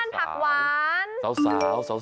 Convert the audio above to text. บ้านผักหวาน